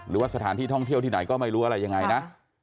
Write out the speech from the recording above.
หรือว่าสถานที่ท่องเที่ยวที่ไหนก็ไม่รู้อะไรยังไงนะ